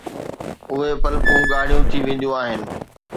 اهي پلڪون ڳاڙهيون ٿي وينديون آهن